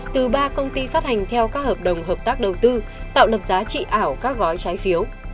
từ ba công ty phát hành theo các hợp đồng hợp tác đầu tư tạo lập giá trị ảo các gói trái phiếu